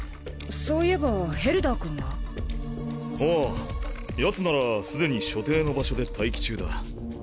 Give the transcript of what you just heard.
そういえばヘルダー君は？ああヤツならすでに所定の場所で待機中だ。